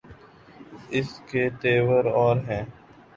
اس کے تیور اور ہیں۔